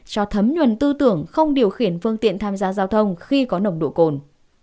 cho thấm nhuần tư tưởng không điều khiển phương tiện tham gia giao thông khi có nồng độ cồn